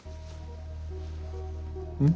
うん？